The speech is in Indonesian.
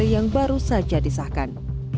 yang baru saja disahkan